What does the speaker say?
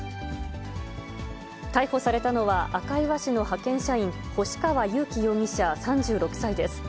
逮捕されたのは、赤磐市の派遣社員、星川佑樹容疑者３６歳です。